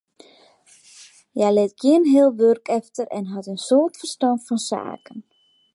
Hja lit gjin heal wurk efter en hat in soad ferstân fan saken.